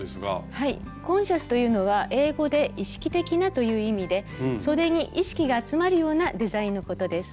はい「コンシャス」というのは英語で「意識的な」という意味でそでに意識が集まるようなデザインのことです。